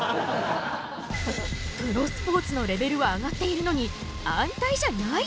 プロスポーツのレベルは上がっているのに安泰じゃない？